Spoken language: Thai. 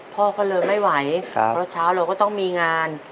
พ่อก็เลยไม่ไหวเพราะเช้าเราก็ต้องมีงาน